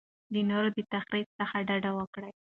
د نورو د تخریب څخه ډډه وکړئ.